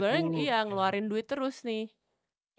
ibaratnya ngeluarin duit terus nih